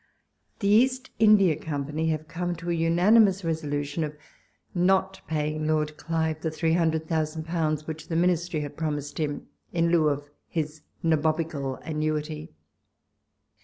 The East India Company have come to an unanimous resolution of not paying Lord Clive the three hundred thousand pounds, which the Ministry had promised him in lieu of his Nabobical annuity.